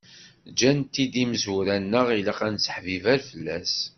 Ǧǧan-t-id yimezwura-nneɣ ilaq ad nesseḥbiber fell-as.